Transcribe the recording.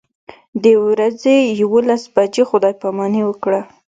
د ورځې یوولس بجې خدای پاماني وکړه.